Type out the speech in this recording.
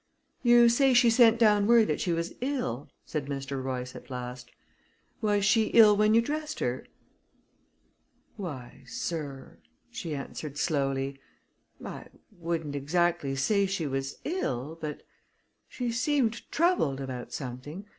"You say she sent down word that she was ill?" said Mr. Royce, at last. "Was she ill when you dressed her?" "Why, sir," she answered slowly, "I wouldn't exactly say she was ill, but she seemed troubled about something.